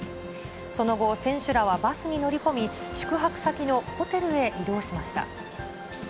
その後、選手らはバスに乗り込み、宿泊先のホテルへ移動しました。